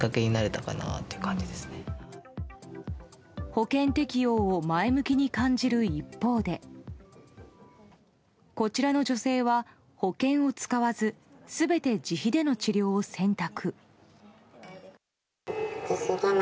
保険適用を前向きに感じる一方でこちらの女性は保険を使わず全て自費での治療を選択。